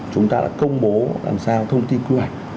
chúng ta đã công bố làm sao thông tin quy hoạch